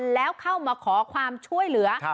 แล้วเข้ามาขอความช่วยเหลือ